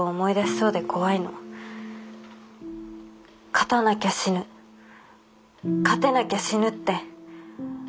勝たなきゃ死ぬ勝てなきゃ死ぬって。